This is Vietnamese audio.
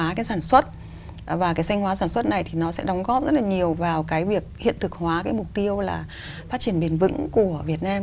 xanh hóa cái sản xuất và cái xanh hóa sản xuất này thì nó sẽ đóng góp rất là nhiều vào cái việc hiện thực hóa cái mục tiêu là phát triển bền vững của việt nam